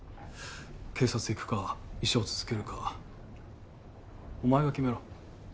警察行くか医者を続けるかお前が決めろ。